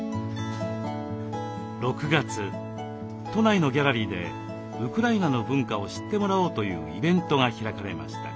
６月都内のギャラリーでウクライナの文化を知ってもらおうというイベントが開かれました。